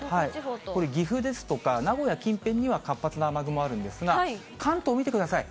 これ、岐阜ですとか、名古屋近辺には活発な雨雲あるんですが、関東見てください。